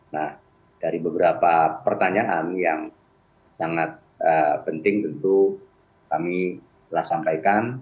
nah dari beberapa pertanyaan yang sangat penting tentu kami telah sampaikan